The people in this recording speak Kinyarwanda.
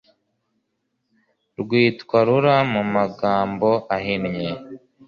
rwitwa rura mu magambo ahinnye